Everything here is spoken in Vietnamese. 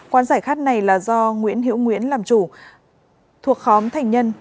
quán giải khát này là do nguyễn hiễu nguyễn làm chủ thuộc khóm thành nhân